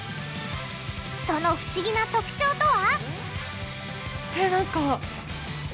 その不思議な特徴とは！？